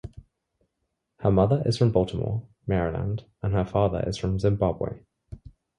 Her mother is from Baltimore, Maryland, and her father is from Zimbabwe.